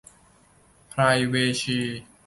ไพรเวซี